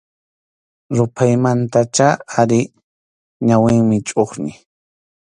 Ruphaymantach ari ñawiymi chʼuqñi.